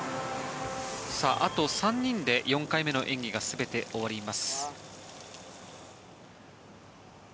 あと３人で４回目の演技が全て終わります。